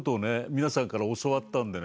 皆さんから教わったんでね。